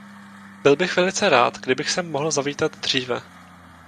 Byl bych velice rád, kdybych sem mohl zavítat dříve.